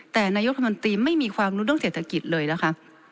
แต่นายกรัฐมนตรีไม่มีความรู้เรื่องเศรษฐกิจเลยนะคะ